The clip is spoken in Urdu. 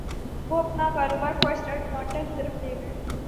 وہ اپنا کاروبار فرسٹ اٹلانٹا کی طرف لے گئی